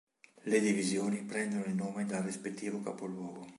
Le divisioni prendono il nome dal rispettivo capoluogo.